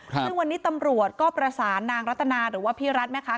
ซึ่งวันนี้ตำรวจก็ประสานนางรัตนาหรือว่าพี่รัฐแม่ค้า